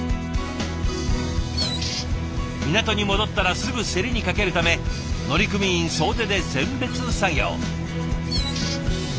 港に戻ったらすぐ競りにかけるため乗組員総出で選別作業。